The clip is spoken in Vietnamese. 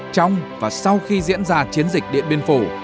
trong và sau khi diễn ra chiến dịch điện biên phủ